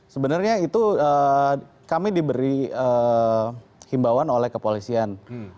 sebenarnya itu kami diberi himbawan oleh kepolisian